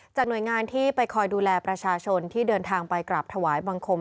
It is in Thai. หน่วยงานที่ไปคอยดูแลประชาชนที่เดินทางไปกราบถวายบังคม